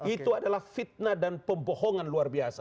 itu adalah fitnah dan pembohongan luar biasa